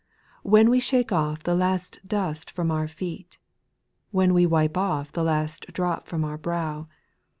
When we shake off the last dust from our feet. When we wipe off the last drop from our brow.